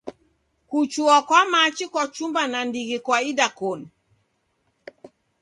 Kuchua kwa machi kwachumba nandighi kwa idakoni.